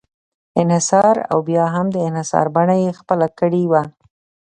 انحصار او بیا هم د انحصار بڼه یې خپله کړې وه.